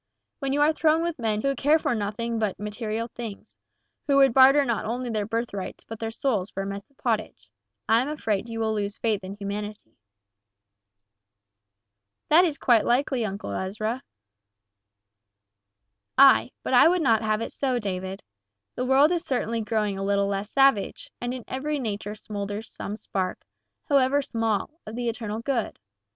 When you are thrown with men who care for nothing but material things, who would barter not only their birthrights but their souls for a mess of pottage, I am afraid you will lose faith in humanity." "That is quite likely, Uncle Ezra." "Aye, but I would not have it so, David. The world is certainly growing a little less savage, and in every nature smolders some spark, however small, of the eternal good.